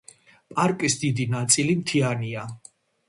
პარკის დიდი ნაწილი მთიანია.